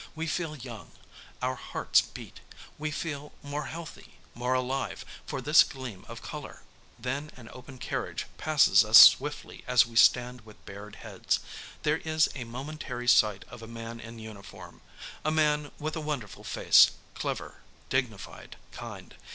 We feel young, our hearts beat; we feel more healthy, more alive, for this gleam of colour. Then an open carriage passes us swiftly as we stand with bared heads. There is a momentary sight of a man in uniform a man with a wonderful face, clever, dignified, kind.